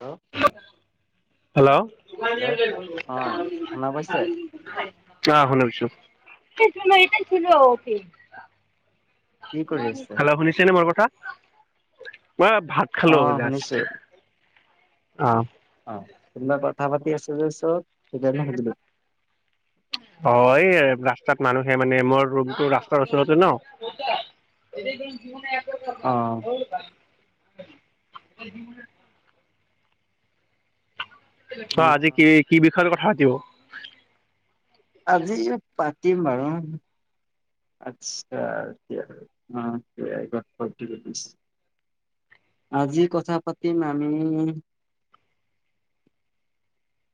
Hello হা hello অ শুনা পাইছে? হেল্ল' অ শুনা পাইছো। কি কৰি আছে? হেল্ল' শুনিছেনে মোৰ কথা। ম ভাত অ খালো জাচ শুনিছো অ কোনবা কথা পাতি আছে যে উচত অ এই ৰাস্তাত মানুহে মানে মোৰ ৰুমটো ৰাস্তাৰ ওচৰতে ন [unintelligible] অ [inaudible] অ আজি কি কি বিষয়ত কথা পাতিব। আজি পাতিম বাৰু। আচ্ছা কি আৰু অ আইকন ফটৌ যদি। আজি কথা পাতিম আমি।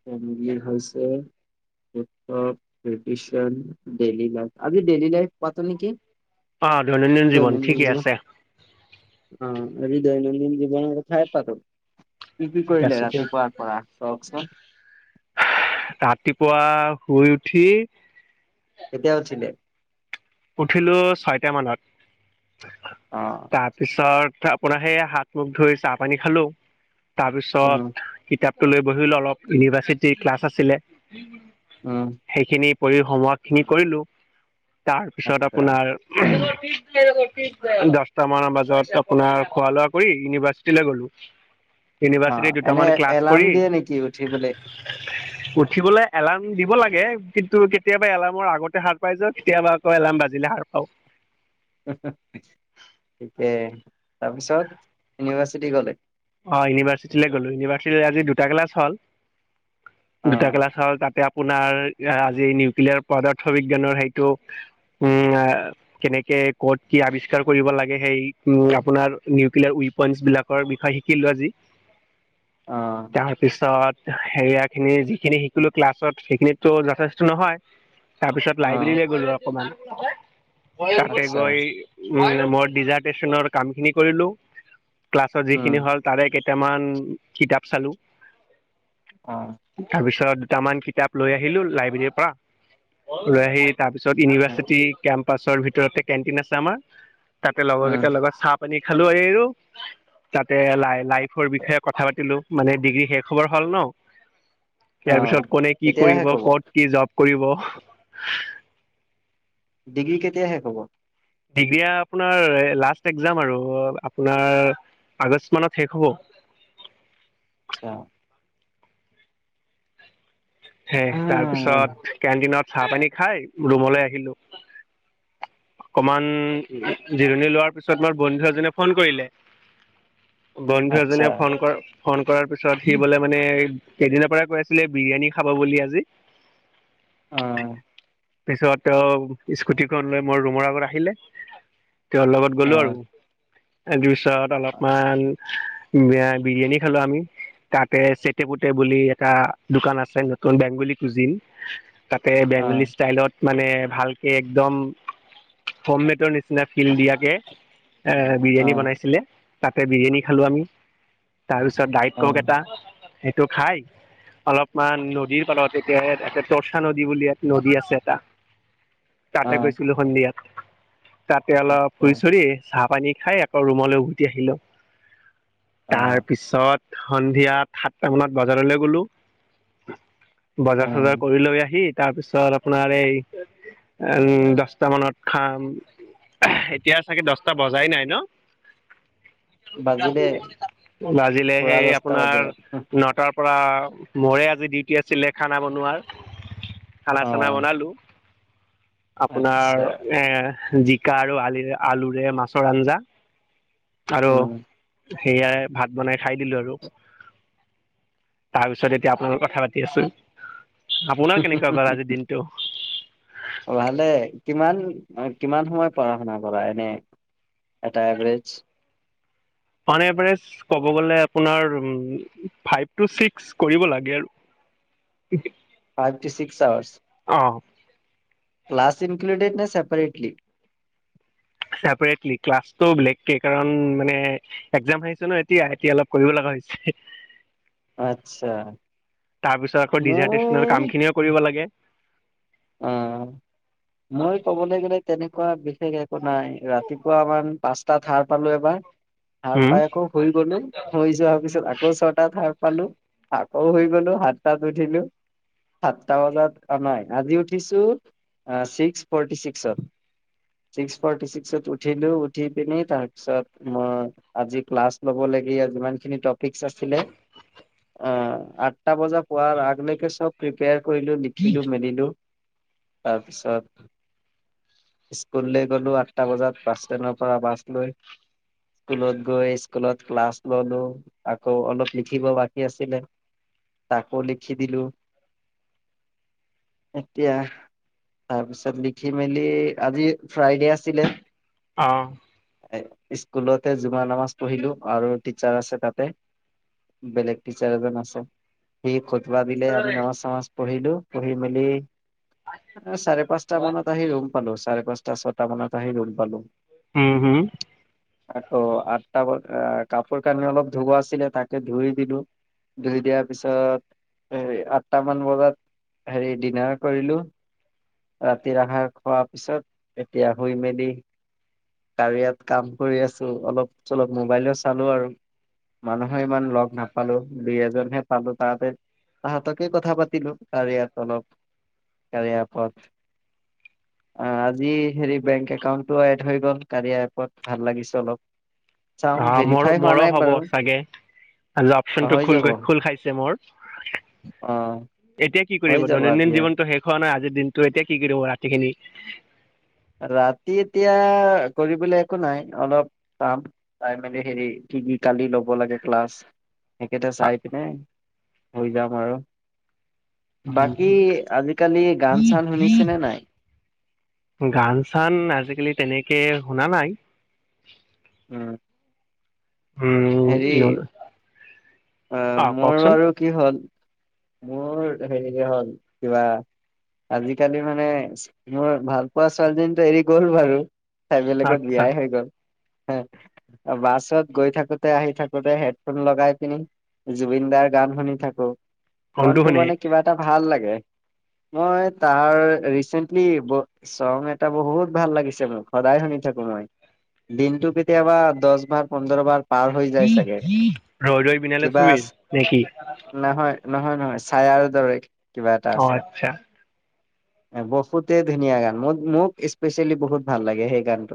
টাইম দিয়ে হৈছে। আজি ডেইি লাইফ পাতো নেকি! অ জীৱন দৈনন্দিন ঠিকে জীৱ ন আছে দৈনন্দিন জীৱ। খাই পাতো কি কি ঠিক কৰিলে আছে ৰাতি দিয়ক। পোৱাৰ পৰা কওক চোন। ৰাতি পোৱা। শুই উঠি। কেতিয়াব উঠিলে। উঠিলো ছয়টা মানত অ', তাৰপিছত। পোনে হাত মুখ ধুই চাহ পানী খালো তাৰপিছত উম, কিতাপ। লৈ বহিলো অলপ ইউনিভাৰ্চিটি ক্লাছ আছিলে উম, সেইখিনি। কৰি সময় খিনি কৰিলো তাৰপিছত আচ্ছা। আপোনাৰ। দহটামান বজাত আপোনাৰ। খোৱা লোৱা কৰি ইউনিভাৰ্চিটিলে গ'লো। ইউনিভাৰ্চিটি অ', এনে দুটামান ক্লাছ এলাৰ্ম কৰি দিয়ে নেকি উঠিবলৈ? উঠিবলৈ। এলাৰ্ম দিব লাগে কিন্তু কেতিয়াবা এলাৰ্মৰ আগতে হাৰ পাই যাও কেতিয়াবা। অ এলাৰাম বাজিলে সাৰ পাও। থিকে তাৰপিছত ইউনিভাৰ্চিটি গলে। অ ইউনিভাৰ্চিটিলৈ গলো ইউনিভাৰ্চিটিত আজি দুটা ক্লাছ হল। দুটা অ', ক্লাছ হল তাতে। আপোনাৰ আজি নিউক্লিয়াৰ পদাৰ্থ বিজ্ঞানৰ সেইটো। কেনেকে ক'ত কি আৱিষ্কাৰ কৰিব লাগে সেই আপোনাৰ নিউক্লিয়াৰ। পইন্ট বিলাকৰ বিষয়ে শিকিলো আজি অ', তাৰপিছত। হেৰিয়াখিনি যিখিনি শিকিলো ক্লাছত সেইখিনিতো যথেষ্ট নহয়। তাৰপিছত অ', লাইব্ৰেৰীলৈ গ'লো অকমান তাতে আচ্ছা, গৈ। মই ডিজাৰ্টেশ্যনৰ কাম খিনি কৰিলো ক্লাছত উম, যিখিনি হল। তাৰে কেইটামান কিতাপ চালো অ', তাৰ পিছত দুটামান কিতাপ লৈ আহিলো লাইব্ৰেৰীৰ পৰা লৈ আহি তাৰপিছত ইউনিভাৰ্চিটি কেম্প। পাছৰ ভিতৰতে কেণ্টিন আছে আমাৰ তাতে লগৰ উম, কেইটা লগত চাহ পানী খালো এই ৰ তাতে লাই লাইফৰ বিষয়ে কথা পাতিলো। মানে ডিগ্ৰী শেষ হবৰ হল ন ইয়াৰ অ'। পিছত কনে কি কেতিয়া কৰিব শেষ হ'ব? কত কি জব। কৰিব। ডিগ্ৰী কেতিয়া শেষ হব। ডিগ্ৰী আপোনাৰ লাষ্ট এক্সজাম আৰু আপোনাৰ। আগষ্ট মানত শেষ হ'ব। আচছা। হে আ, তাৰপিছত কেণ্টিনত চাহ পানী খাই ৰুমলৈ আহিলো। অকমান জিৰণি লোৱাৰ পিছত মই বন্ধু এজনে ফোন কৰিলে। বন্ধু আচ্ছা, এজনীয়ে ফোন কৰ। ফোন কৰাৰ পিছত সি বোলে মানে কেইদিনাৰ পৰাই কৈ আছিলে বিৰিয়ানী খাব বুলি আজি। অহ। পিছত স্কুটিখন লৈ মোৰ ৰুমৰ আগত আহিলে। তেওঁৰ লগত গ'লো আৰু অ'। তাৰ পিছত অলপমান। বিয়া বিৰিয়ানী খালো আমি। তাতে চেটেপুতে বুলি এটা দোকান আছে নতুন বেংগলী কুজিন। তাতে বেংগলী অ', ষ্টাইলত মানে ভালকে একদম। ফৰ্মমেটৰ নিচিনা ফিল দিয়াকে এ বিৰিয়ানী অ', বনাইছিলে। তাতে বিৰিয়ানী খালো আমি তাৰপিছত ডাইট কক অ', এটা সেইটো খাই। অলপমান নদীৰ পালত এতিয়া এটা তৰ্চা নদী বুলি নদী আছে এটা। অ। তাতে গৈছিলো সন্ধিয়াত তাতে অলপ আচ্ছা, ফুৰি চুৰি পানী খাই আকৌ ৰুমলৈ উভতি আহিলো তাৰ অ', পিছত সন্ধিয়া সাতটা মানত বজাৰলৈ গলো। অ'। বজাৰ চজাৰ কৰি লৈ আহি তাৰপিছত আপোনাৰ এই উম দহ দচটা মানত খাম এতিয়া চাগে দহটা বজাই নাই ন? বাজিলে বাজিলে পুৰা সেই দহটা আপোনাৰ বাজিলে, নটাৰ পৰা মৰে আজি ডিউটি আছিলে খানা বনোৱাৰ। খানা চানা অ', বনালো। আচ্ছা, আপোনাৰ এ জিকা আৰু আলি আলুৰে মাছৰ আঞ্জা। আৰু উম। সেয়াই ভাত বনাই খাই দিলো আৰু তাৰপিছত এতিয়া আপোনাৰ লগত কথা পাতি আছো। আপোনাৰ হে হে কেনেকুৱা গ'ল আজিৰ হে দিনটো ভালে। কিমান কিমান সময় পঢ়া শুনা কৰা এনেই। এটা এভাৰেজ। অন এভেৰেজ ক'ব গলে আপোনাৰ ফাইভ টো ছিক্স কৰিব লাগে আৰু [inaudible] ফাইভ টু ছিক্স আৱাৰছ। অ ক্লাছ ইনক্লুটেত নে চেপাৰেটলি। চেপাৰেটলি ক্লাছটো বেলেগকে কাৰণ মানে একজাম আহিছে ন এতিয়া এতিয়া অলপ কৰিব লাগিব। হয়। আচ্ছা। তাৰপিছত আকৌ ডিজাৰ্টেশচনেল মোৰ কাম খিনিও কৰিব লাগে। অ মই ক'বলৈ গ'লে তেনেকুৱা বিশেষ একো নাই ৰাতিপুৱা আমাৰ পাঁচটাত সাৰ পালো এবাৰ সাৰ উম পাই আকৌ শুই গ'লো শুই যোৱাৰ পিছত আকৌ ছটাত সাৰ পালো আকৌ শুই গলো সাতটাত উঠিলো সাতটা বজাত নাই আজিও উঠিছো আ ছিক্স ফৰ্টি ছিক্সত। ছিক্স ফৰ্টি ছিক্সত উঠিলো উঠি পিনি তাৰপিছত মই আজি ক্লাছ লব লাগ লাগে আৰু যিমান খিনি ফিক্স আছিলে অ আঠটা বজা পোৱাৰ আগলৈকে চব প্ৰিপিয়াৰ কৰিলো লিখিলো মেলিলো তাৰপিছত স্কুললৈ গলোঁ আঠটা বজাত বাছ ষ্টেণ্ডৰ পৰা বাছ লৈ। স্কুলত গৈ স্কুলত ক্লাছ ললো আকৌ অলপ লিখিব বাকী আছিলে। তাকো লিখি দিলো। এতিয়া তাৰপিছত লিখি মেলি আজি ফ্ৰাইডে আছিলে। আহ। স্কুলতে জুমা নামাজ পঢ়িলো আৰু টিচাৰ আছে তাতে বেলেগ টিচাৰ এজন আছে সি কিবা দিলে আমি নামাজ চামাজ পঢ়িলো পঢ়ি মেলি। চাৰে পাঁচটা মানত আহি ৰুম পালো চাৰে পাঁচটা ছয়টা মানত আহি ৰুম পালো। হম হম। আকৌ আঠটা কাপোৰ কানি অলপ ধুব আছিলে তাকে ধুই দিলো। ধুই দিয়াৰ পিছত হ আঠটামান বজাত হেৰি ডিনাৰ। কৰিলো ৰাতি আহাৰ খোৱাৰ পিছত এতিয়া শুই মেলি। কাঢ়িয়াত কাম কৰি আছো অলপ চলপ মোবাইলো চালো আৰু মানুহ। মই ইমান লগ নাপালো দুই এজন। নেপালো কাৰণে তাহতকে কথা পাতিলো কাৰিয়াত অলপ কাৰিয়াত। পঠ। অ আজি হেৰি বেংক একাউন্টটো এড হৈ গল কাৰিয়া এপত ভাল লাগিছে অলপ। চাওঁ অ মৰ ভেৰিফাই হোৱা মৰো নাই হব বাৰু চাগে আজি অ, অপচন টো হৈ খো যাব খোল খাইছে মোৰ। অ এতিয়া কি হৈ কৰিব যাব দৈনন্দিন আজিয়ে। জীৱনতটো শেষ হোৱা নাই আজি। দিন তো এতিয়া কি কৰিব ৰাতিখিনি। ৰাতি এতিয়া কৰিবলৈ একো নাই অলপ পামাই মেলি হেৰি। কি কি কালি ল'ব লাগে ক্লাছ। সকেটা চাই পিনে হৈ যাম আৰু। বাকী আজিকালি গান চান শুনিছেনে নাই। গান চান আজিকালি তেনেকে শুনা নাই। উম। উম হেৰি ন আহ অ মোৰ কওকচোন বাৰু কি হ'ল। মোৰ হেৰি হ'ল কিবা। আজিকালি মানে মোৰ ভাল পোৱা ছোৱালীজনী এৰি গ'ল বাৰু। সাইবলেগত আচ্ছা বিয়াই হৈ গ'ল হ বাছত গৈ থাকো। আহি থাকোতে হেডফোন লগাই পিনি জুবিন দাৰ গান শুনি থাকো। কোনটো মনটো শুনে মানে কিবা এটা ভাল লাগে। মই তাৰ ৰিচেন্টলি চং এটা বহুত ভাল লাগিছে মোক সদায় শুনি থাকো। দিনটো কেতিয়াবা দহ বাৰ পোন্ধৰ বাৰ। পাৰ হৈ যায় চাগে ৰৈ ৰৈ বিনালে কিবা ছবিৰ আছে নেকি নহয় নহয় নহয়। চায়াৰ দৰে কিবা এটা অ আছে। আচ্ছা বহুতে ধুনীয়া গান মোৰ মোক স্পেচিয়েলি বহুত ভাল লাগে সেই গানটো।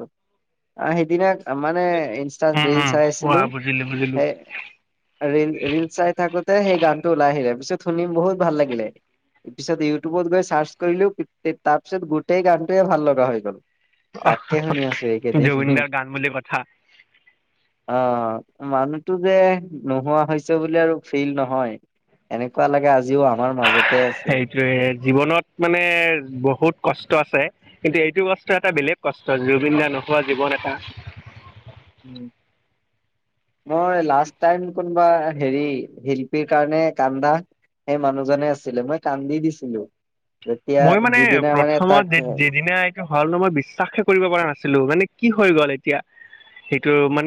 অ সেইদিনা মানে ইনষ্টা উম ৰিলচ উম অ বুজিলো বুজিলো ৰিল চাই থোতে সেই গানটোৰ ও। পিছত শুনিম বহুত ভাল লাগিলে। পিছত ইউটিউবত গৈ চাৰ্চ কৰিলেও তাৰ পিছত গোটেই গানটোৱে ভাল লগা হৈ গ'ল। আহ তাকে শুনি আছো এইকেইদিন। জুবিনদাৰ গান বুলি কথা অ মানুহতো যে নোহোৱা হৈছে বুলি আৰু ফিল নহয়। এনেকুৱা লাগে। আজিও আমাৰ মাজতে আছে সেইটোয়ে জীৱনত মানে বহুত কষ্ট আছে। কিন্তু এইটো কষ্ট এটা বেলেগ কষ্ট জুবিন দা নোহোৱা জীৱন এটা। মই লাষ্ট টাইম কোনোবা। হেৰি শিল্পীৰ কাৰণে কান্দা। সেই মানুহজনে আছিলে মই কান্দি দিছিলো। যেতিয়া মই মানে যিদিনা মানে প্ৰথমত তাক যিদিনা এইটো হল ন মই বিশ্বাসে কৰিব পৰা নাছিলো মানে। কি হৈ গ'ল এতিয়া।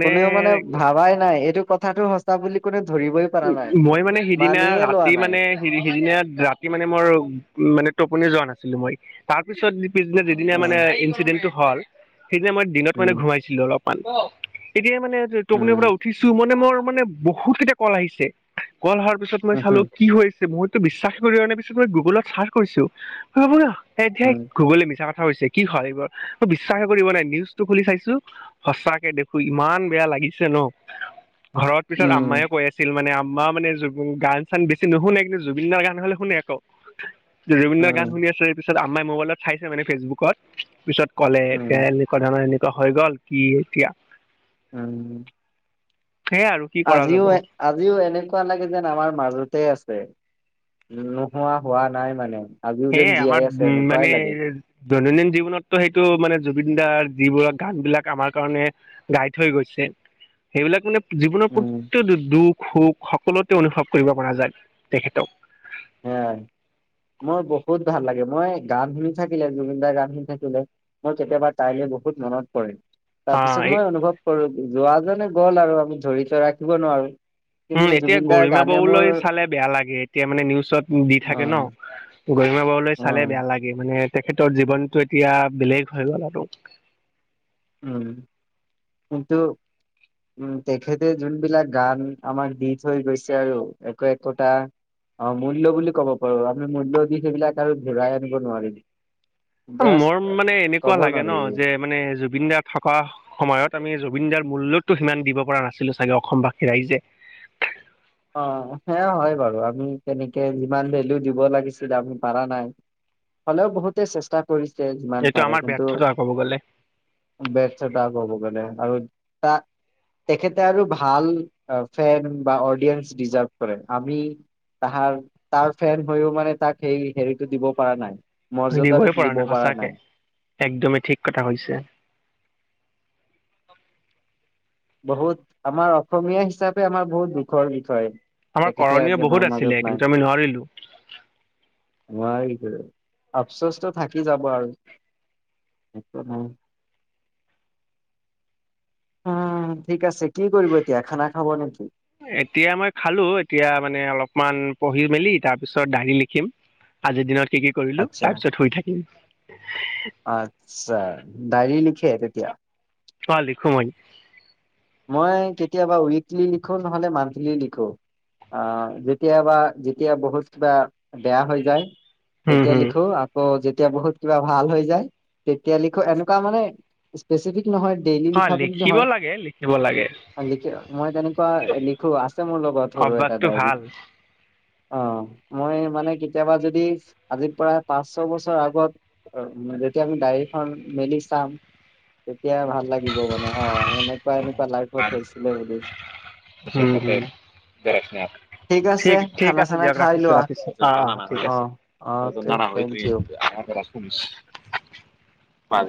কোনেও মানে ভাবাই নাই এইটো কথাটো সঁচা বুলি কোনে। ধৰিবই পৰা নাই। মই মানে সিদিনা মানিয়ে লোৱা ৰাতি নাই। মানে সিদিনা ৰাতি মানে মোৰ মানে। টোপনি যোৱা নাছিলো মই তাৰ পিছত পিছদিনা যিদিনা মানে উম, ইনঞ্চিডেন্টটো হল। সেইদিনা মই দিনত মানে উম, ঘুমাইছিলো অলপমান এতিয় মানে টোপনিৰ পৰা উম, উঠিছো ম। মোৰ মানে বহুত কেইটা কল আহিছে কল অহাৰ পিছত মই উম, চালো উম, কি হৈছে বহুত। ত বিশ্বাস কৰিে পিছত মই গুগলত চাৰ্চ কৰিছো ভাবো ন এতিাই গুগলে মিছা। হৈছে কি হয়াল এইবাৰ মই বিশ্বাসে কৰিব নাই নিউজটো খুলি চাইছো সঁচাকে দেখো ইমান বেয়া লাগে। লাগিছে ন ঘৰত পিছত আম্ উম, ময়ে কৈ আছে। মানে আম্মা মানে জুব গান চান বেছি নুশুনে কিন্তু জুবিনদাৰ গান হলে শুনে আকৌ। জুবিন দা গান উম, শুনি আছে পিছত আম্মাই মোবাইলত চাইছে মানে ফেচবুকত পিছত কলে এতিয়া উম, এনেকুৱা ধৰণৰ এনেকুৱা হৈ গল কি এতিয়া উম সেইয়া আৰু কি কৰা আজিও যাব আজিও এনেকুৱা লাগে যেন আমাৰ মাজতে আছে নোহোৱা হোৱা নাই মানে আজিও যেন হেয়ে জীয়াই আমাৰ আছে উম এনেকুৱাই মানে লাগে। দৈনন্দিন জীৱনতো সেইটো মানে জুবিন দাৰ যিবোৰ গান বিলাক আমাৰ কাৰণে গাই থৈ গৈছে। সেইবিলাক মানে জীৱনৰ উম, প্ৰতিটো দুখ সুখ সকলোতে অনুভৱ কৰিব পৰা যায় তেখেতক এ মই বহুত ভাল লাগে মই গান শুনি থাকিলে জুবিনদাৰ গান শুনি থাকিলে মই কেতিয়াবা তাইলে বহুত মনত পৰে। অ তাৰ পিছত এই মই অনুভৱ কৰো যোৱা জনে গ'ল আৰু আমি ধৰিটো ৰাখিব নোৱাৰো। উম কিন্তু এতিয়া জুবিনদাৰ গৰিমা গানে বৌ মোৰ লৈ চালে বেয়া লাগে এতিয়া মানে নিউজত দি থাকে উম, ন গৰিমা বৌ লৈ চালে উম, বেয়া লাগে মানে তেখেতৰ জীৱনটো এতিয়া বেলেগ হৈ গ'ল আৰু উম কিন্তু উম তেখেতে যোনবিলাক গান আমাক দি থৈ গৈছে আৰু একো একোটা অমূল্য বুলি কব পাৰো আমি মূল্য দি সেইবিলাক আৰু ঘূৰাই আনিব নোৱাৰিম জাষ্ট মোৰ মানে এনেকুৱা ক'ব লাগে নোৱাৰি ন যে মানে জুবিন দাৰ থকা সময়ত আমি জুবিনদাৰ মূল্যতো সিমান দিব পৰা নাছিলো চাগে অসমবাসী ৰাইজে [unintelligible] অ সেয়া হয় বাৰু আমি তেনেকে যিমান ভেলু দিব লাগিছিলে আমি পাৰা নাই হলেও বহুতে চেষ্টা কৰিছে যিমান এইটো পাৰে আমাৰ কিন্তু ব্যৰ্থতা ক'ব গ'লে বেটছ এটা কব গলে আৰু তা তেখেতে আৰু ভাল ফেন বা অডিয়েনচ দিজাৰফ কৰে আমি তাহাৰ তাৰ ফেন হৈও মানে তাক সেই হেৰিটো দিব পৰা নাই দিবই পৰা নাই সঁচাকে একদমেই ঠিক কথা কৈছে। [unintelligible] বহুত আমাৰ অসমীয়া হিচাপে আমাৰ বহুত দুখৰ বিষয়। আমাৰ তেখেতে কৰণীয় আজি বহুত আমাৰ আছিলে মাজত নাই। কিন্তু আমি নোৱাৰিলো। নোৱাৰিলে, আফচোচটো থাকি যাব আৰু। একো নাই। উম ঠিক আছে, কি কৰিব এতিয়া খানা খাব নেকি? এতিয়া মই খালো, এতিয়া মানে অলপমান পঢ়ি মেলি তাৰ পিছত ডাইৰী লিখিম। আজিৰ দিনত কি কি কৰিলো আচ্ছা তাৰ পিছত শুই থাকিম [unintelligible] আচ্ছা ডায়েৰী তেতিয়া অ লিখো মই মই কেতিয়াবা উইকলি লিখো নহলে মন্থলী লিখো অহ যেতিয়াবা যেতিয়া বহুত কিবা বেয়া হৈ যায় হম তেতিয়া হম। লিখো আকৌ যে যেতিয়া বহুত কিবা ভাল হৈ যায় তেতিয়া লিখো এনেকুৱা মানে ইচপেচেলি নহয় ডেইলি অ লিখা বুলি লিখিব নহয়। লাগে লিখিব লাগে লিখে মই তেনেকুৱা লিখো আছে মোৰ লগত সৰু এটা অভ্যাসটো ডায়েৰী ভাল। অ মই মানে কেতিয়াবা যদি আজিৰ পৰা পাঁচ ছয় বছৰ আগত অ যেতিয়া আমি ডায়েৰীখন মেলি চাম তেতিয়া ভাল লাগিব মানে অ এনেকুৱা এনেকুৱা লাইফত হৈছিলে বুলি উম, উম আছে ঠিক ঠিক খানা আছে চানা দিয়ক খাই ৰাখিছো লোৱা ৰাখিছো অ অ ঠিক আছে অকে থেংক ইউ [unintelligible] [inaudible]